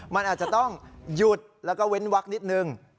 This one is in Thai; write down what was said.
มันอาจจะต้องหยุดแล้วก็เว้นวักนิดนึง